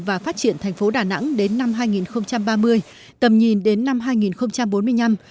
và phát triển thành phố đà nẵng đến năm hai nghìn ba mươi tầm nhìn đến năm hai nghìn bốn mươi năm